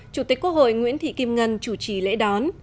chủ tịch quốc hội nguyễn thị kim ngân chủ trì lễ đón